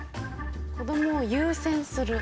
子どもを優先する。